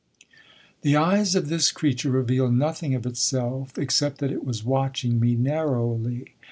The eyes of this creature revealed nothing of itself except that it was watching me narrowly.